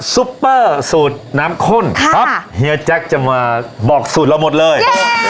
ซุปเปอร์สูตรน้ำข้นครับเฮียแจ็คจะมาบอกสูตรเราหมดเลย